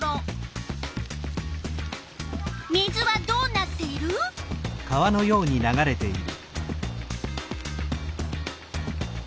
水はどうなっている？